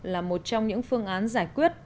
là một trong những phương án giải quyết